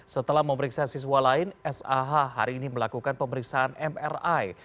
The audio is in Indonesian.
setelah memeriksa siswa lain sah hari ini melakukan pemeriksaan mri